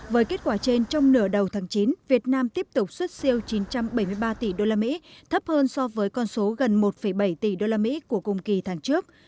với kết quả trên trong nửa đầu tháng chín việt nam tiếp tục xuất siêu chín trăm bảy mươi ba tỷ usd thấp hơn so với con số gần một bảy tỷ usd của cùng kỳ tháng trước